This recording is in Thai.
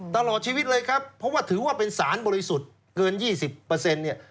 ตลอดชีวิตเลยครับเพราะถือว่าเป็นสารบริสุทธิ์เกิน๒๐เปอร์เซ็นต์